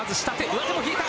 上手も引いた。